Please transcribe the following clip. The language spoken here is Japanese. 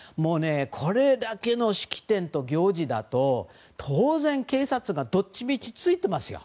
これだけの式典と行事だと当然、警察がどっちみちついてますよ。